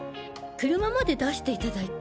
車まで出していただいて。